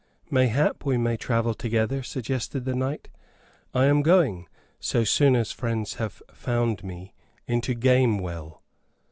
"Mayhap we may travel together?" suggested the knight. "I am going, so soon as friends have found me, into Gamewell."